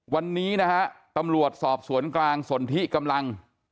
วันนี้นะฮะตำรวจสอบสวนกลางสนทิกำลัง